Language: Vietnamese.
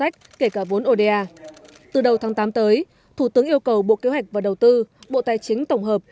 từ đầu tháng tám tới thủ tướng yêu cầu bộ kế hoạch và đầu tư bộ tài chính tổng hợp